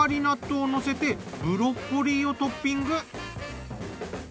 納豆をのせてブロッコリーをトッピング。